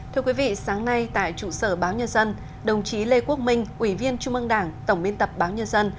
thưa quý vị sáng nay tại trụ sở báo nhân dân đồng chí lê quốc minh ủy viên trung ương đảng tổng biên tập báo nhân dân